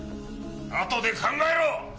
あとで考えろ！！